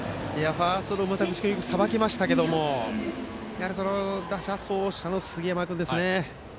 ファーストの牟田口君はよくさばきましたけどやはり、打者走者の杉山君ですね。